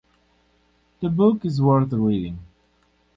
The book is worth reading.